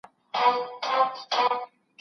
د کندهار تاریخي ځایونو ته خلګ د لیدو لپاره راتلل.